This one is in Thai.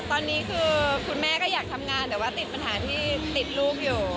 ตอนนี้คือคุณแม่ก็อยากทำงานแต่ว่าติดปัญหาที่ติดลูกอยู่